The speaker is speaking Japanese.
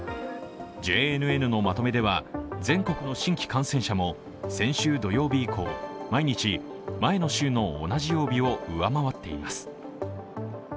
ＪＮＮのまとめでは、全国の新規感染者も先週土曜日以降、毎日前の週の同じ曜日を上回っています。